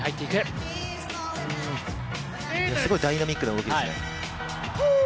すごいダイナミックな動きですね。